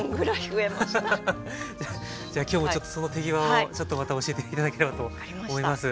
じゃあ今日もちょっとその手際をちょっとまた教えて頂ければと思います。